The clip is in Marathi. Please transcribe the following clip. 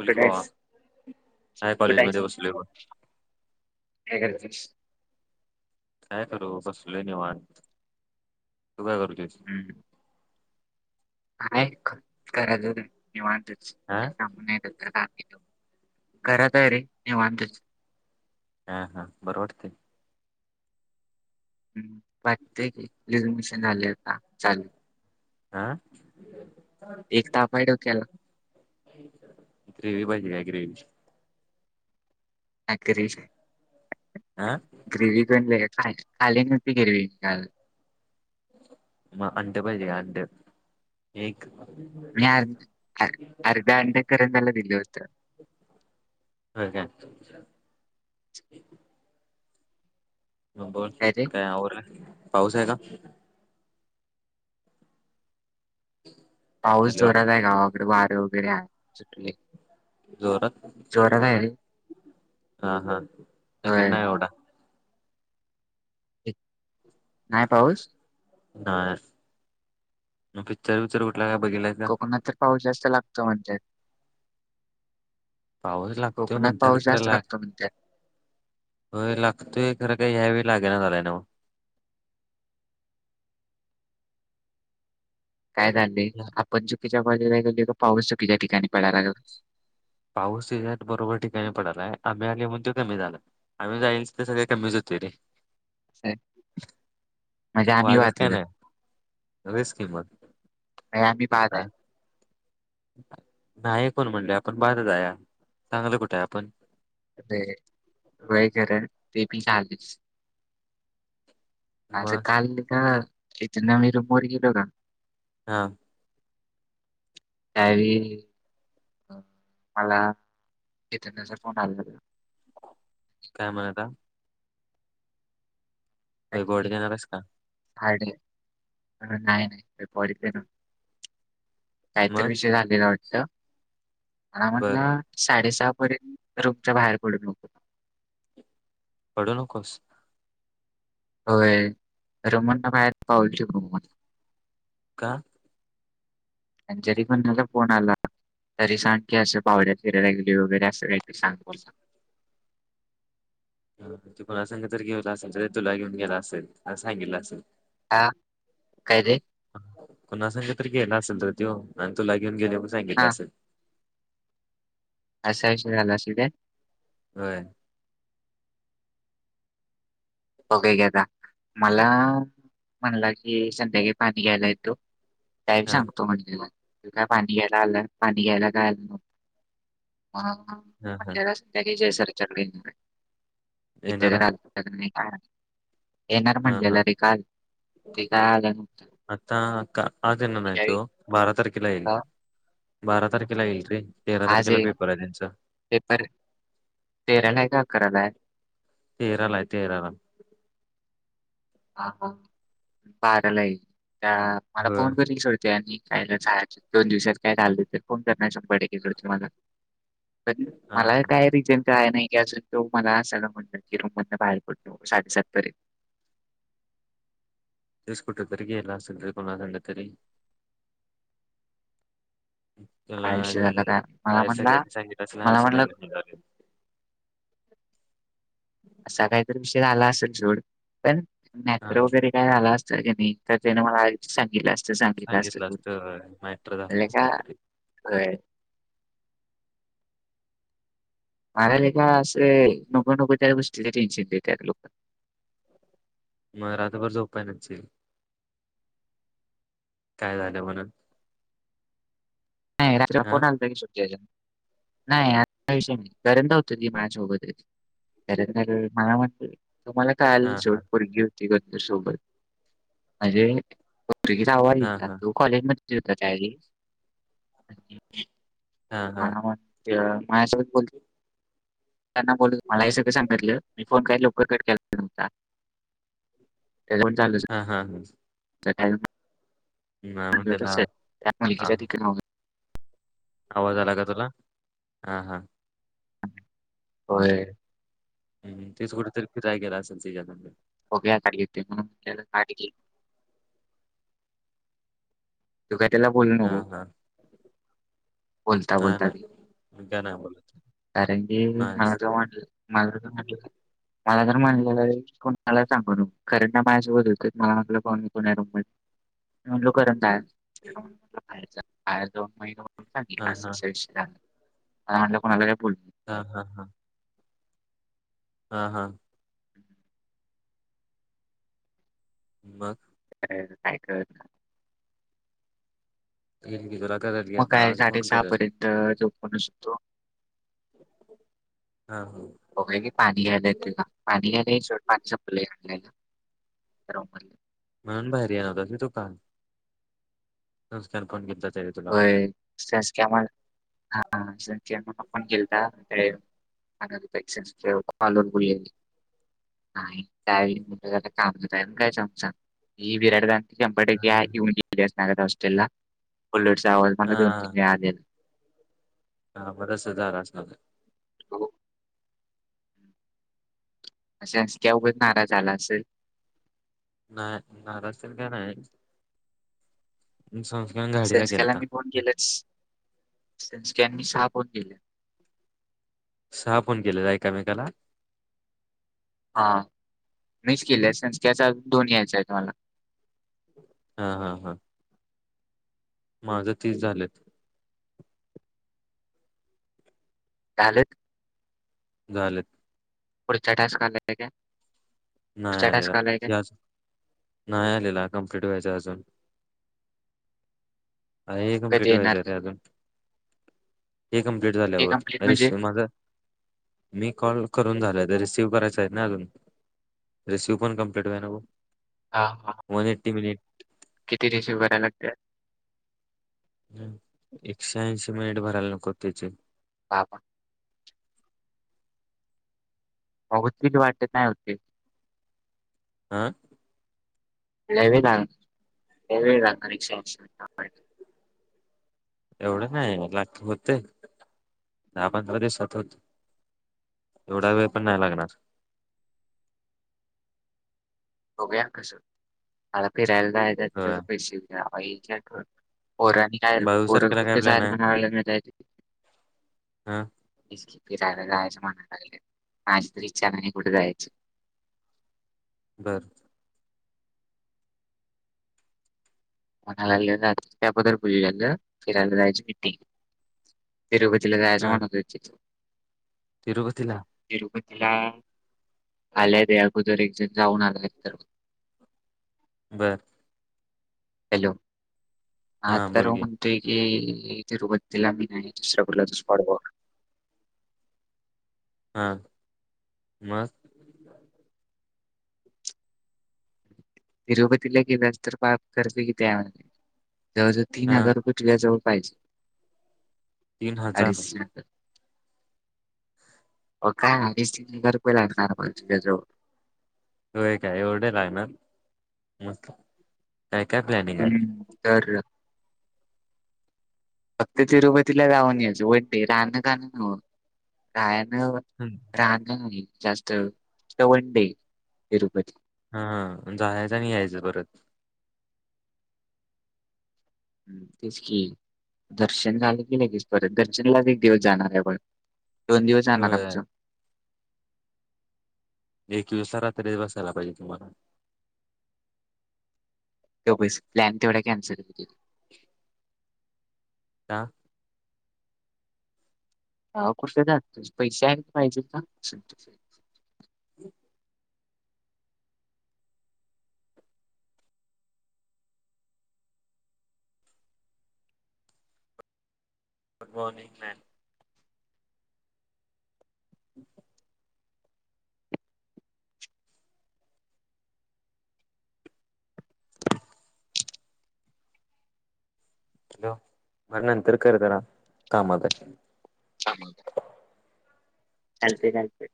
बोल की कुठे भावा आहेस? काय कुठे कॉलेज मध्ये आहेस? बसले बग. काय करतेस? काय करू बसले नि वाण तू काय करू तस हं ह काय करायचं हा काय काम नाय ते घराात आहे रे निवांतच हा हा बरं वाटते ह् वाटते की लिझ मशीन झाली आता चालू आह तेच ताप आहे डोक्याला ग्रेवी भाजी काय ग्रेवी आगरी आह ग्रेव्ही कण का काली नुटी गिर्वी का मग अंड पाहिजे का अंड एक मी अर् अर्ध्या अंडेकरंदला दिलं होतं ह का म बोल काय रे काय पाऊस आहे का पाऊस हॅलो जोरात आहे गावाकडे वारे वगैरे आहे जोरात चोर का हा हा होय. नाही एवढा नाही पाऊस नाही मग पिक्चर वििक्चर कुठला का बघला कोणा तर पाऊस जास्त लागतो म्हणजे पाऊस लागतो कोकणात म्हणजर पाऊस खरा जास्त लाग लागतो म्हणत्यात. हो लागतोय खरं काही ह्यावेळी लागे ना झालंय ना काय झालंय आपण चुकीच्या बाजला गे पाऊस चुकीच्या ठिकाणी पडलाो पाऊस सत बरोबर ठिकाणी पडलाय आम आले म्हण ते कमी झालं आम्ही जाच ते सगळे कमीच होत रे म्हजे आम्ही वाचू रिस्क हे मग आम्ही बाद आहे हा नाहीण म्हणले आपण बार जाया चांगलं कुठे आहे आपण अ वयगर ते बी चालीस आं मग काल का त्याच्या नवनी रूम वर गेलो ना हा त्यावेळी मला इथनाचा फोन आला काय म्हणता वैभव देणार आहेस का साडे नाही नाही काहीतर मग विषय झालेला वाटत बर म्हटला साडेसहा पर्यंत रूमच्या बाहेर पडून नको पडू नकोस होय रमण ना बाहेर पावलची म मला का जरी पण त्याचा फोन आला तरी सांग की असं पाहुऱ्या फिरायला गेली वगैरे असं व सांग बोलला तो कोणा सघ जर गेला असेल तर तुला घेऊन गेला असेल अस सांगितलं असेल हा काय रे? कोणा सांग तर गेला असेल तर तो आणि तुला घेऊन गेले पण सांगितलं हा असेल. असा विषय झाला अस अ ब काय घता मला म्हणला की संध्याकाळी पाणी घ्यायला येतो का हा सांगतो म्हणजला का पाणीला पाणीला काय हा हा महिल्या संध्या जसर च इथे येणार तर आहे नाही [unintelligible] हा येणार हा हा म्हटलेला रे काल ते काय आलं आता का आज त्यांना मी नाही काय तो बारा तारखेला येईल. विचारलं, बारा तारखेला येईल रे तेरा तारखेला पेपर आहे त्यांचा पेपर तेराला हाय का अकराला आहे? तेराला आहे तेराला बाराला येईल त्या मला होय फोन करील सोड आणि काय दोन दिवसात काय झालं फोन करणार शभर टक्के तुम्हाला पण हा मला काय रिजन हे कळना कि काय तो म्हणला की अजून तो मला असायला म्हणतो की रूमधून बाहेर पडू नको साडेसातपर्यंत इथच कुटरे तरीे गेला असेल कोणाकड तरी चला काय विषय आणि झाला काय माहित. मला बाहेर स्याय म्हणला सांगितलं असेल मला हरशाला म्हणला घेऊन निघालो असा काहीतरी विषय आला असलं सोड पण हा मॅटर वगैरे काय झालं असतं का नाही त्यान मला आदी सांगितलं असतं सागितलं असतं सांगितलं तू होय मॅटर म्हण झालाय काहीतरी काय आरे लका असे नको नको त्या गोष्टीचे टेन्शन देत लोक मग रातभर झोपाय नसशील काय झालं म्हणून नाही राञी हा फोन आलता कि सुरजाचा नाही असं काय विषय नाही का करण होता कि माझ्या सोबत जर मय म्हात [unintelligible] तुम्हाला हा कळालेल सोबत हा कोण तरी पोरगी होती म्हणजे गीच आवा हा हा तू कॉलेज मध्येली हा हा मला म्हणाला माझ्यासोबत बोलते त्यांना बोल मला हे सगळं सांगितलं मी फोन का लवकर कट के नव्हता त्याच्या पण चाल हा हा हा त्या मग त्याला हा मुलच्या तिकडे [unintelligible] आवाज आला का तुला हा हा होय तेच कुठेतरी फिराय गेला असेल तिच्याकड होग्या अडगतीे म अड [unintelligible] तु काय त्याला बोलू हा नको हा बोलता नाही बोलता ते नाही मी काय नाही बोलत कारण की मला नाहीस तो म्हटलं माझ म्हटलं मला जर मानले जाईल कोणाला सांग ना खरं ना माझशी बदोलतो मला म्हटलं को रूम करून दोन महि [inaudible] हा हा मला म्हटलं कोणाला काय बोलू हा हा हा हा हा हम्म मग? त [unintelligible] ी तुरा करत घ्याता आज फोन करेन तो पण असतो हा हा हो का की पाणी घ्यायला त का पाणी घ्या नाही शेवट पाणी संपलं आणायला म्हणून बाहेर येन होत मी दुकान नमस्कार कोण घेतला चाल तुला संचक्या हा संक्या आपण खेलता अ पल ठ झा का काय विराड चंपटगत असेो द हा त हा बदस हजार अस हो अस त्या उगच नाराज झाला असेल नाही नारा असेल का नाही संस्कारण गाडीला गेलता म्हजे लक्ष कनीहा पण दिले सहा फोन केलेला आहे का मेकाला हा मिस केली आहे संकचा दोन यायच आहे तुम्हाला हा हा हा माझं तीच झालेत लेल झालेत पुढ चटाच काले का नाही आलेलाज नाही आलेला कम्प्लीट व्हायच अजून अ हे गम कधी केट येणार व्हायचं रे अजून हे कम्प्लीट ते कंप्लीट म्हणजे झाल्यावरि माझं मी कॉल करून झालोय तर रिसीव्ह करायच आहे ना अजून रेस्यू पण कम्लीट होय नो हा हा किती रिसिव करा लागते एकशे ऐंशी मिनिट भरायला नको त्याचे हां हां अगत वाटत नाही होते आं लवे लावे ला परीक्षाक्ष एवढं नाही लागत होते दहा पंधरा दिवसात होत एवढा वेळ पण नाही लागणार त आपराल होय पश व ओर आणि काय बावीस ओर तारखेला काय कुठे जाय प्लॅन आहे म्हणाला जाय हा तेच की फिरायला जायचं म्हणाला लागल्यात आज तरी विचार आणि कुठ जायचं बर म्हणाला त्याबद्द्ल पहिल्यांदा फिरायला जायची मीटिंग तिरुपतला जायचं हा म्हणत तिरुपतीला तिरुपतीला आल्यात आधी अगोदर एक जण जाऊन आलाय तर बर हॅलो हा आ तर बोल की मग ते की इथे तिरुपतीला मी नाही दुसरा कुठला तरी स्पॉट बघ हां मस् तिरुपतीला गेल्यास तर पा करर्फ किती आहे जवळजवळ तीन हा हजार रुपये ल्या जवळ पाहिजे तीन हजार अडीचंत हो काय स्िती घर पहिला ना म्हजो होय काय एवढे रा आहे ना मस्त काय काय प्लॅनिंग हम् तर फक्त तिरुपतीला जाऊन यायचं व ते राहणं गाण न्हव काय न्हव [inaudible] राहण नाही जास्त तवंडे तिरुपती हा हा जायचं आणि यायचं परत तेच कि दर्शन झाल की लगेच परत दर्शनलाच एक दिवस जाणार आहे बघ दोन दिवस जाणार होय आमचं एक दिवसा रात्रीच बसायला पाहिजे तुम्हाला गप्प बस प्लॅन तेवढा कॅन्सल [unintelligible] ना ह कुसद आणतोस पैसे आणि पाहिजेत का हम गुड मॉर्निंग मॅम [unintelligible] हॅलो मग नंतर कर जरा कामात आहे चालतंय काय तर